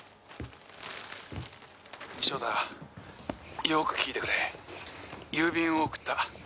「奨太よく聞いてくれ」「郵便を送った。